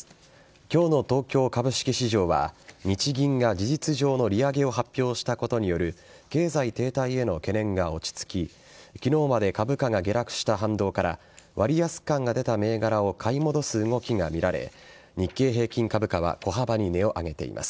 今日の東京株式市場は日銀が事実上の利上げを発表したことにより経済停滞への懸念が落ち着き昨日まで株価が下落した反動から割安感が出た銘柄を買い戻す動きがみられ日経平均株価は小幅に値を上げています。